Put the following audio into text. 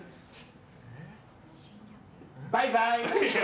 バイバーイ。